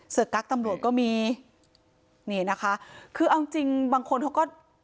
กั๊กตำรวจก็มีนี่นะคะคือเอาจริงบางคนเขาก็